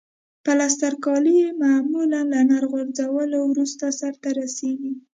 پلسترکاري معمولاً له نل غځولو وروسته سرته رسیږي.